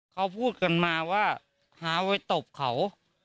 เขาพูดกันมาว่าหาไว้ตบเขา